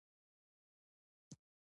ځکه مونږ وئيلے شو چې